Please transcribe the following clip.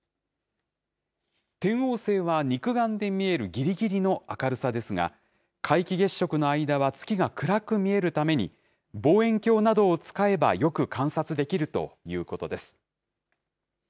天王星は肉眼で見えるぎりぎりの明るさですが、皆既月食の間は月が暗く見えるために、望遠鏡などを使えばよく観察できるということです。